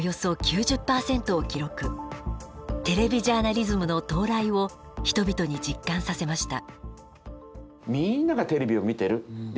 テレビジャーナリズムの到来を人々に実感させました。